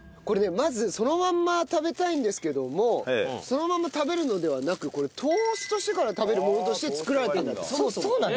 これねまずそのまんま食べたいんですけどもそのまんま食べるのではなくこれトーストしてから食べるものとして作られてるんだってそもそも。